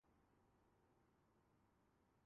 اکثر حکمران طبقہ مفاہمت کرتا اور حصہ دے دیتا ہے۔